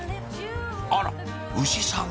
あら牛さん